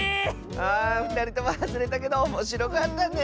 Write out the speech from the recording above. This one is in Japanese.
あふたりともはずれたけどおもしろかったね！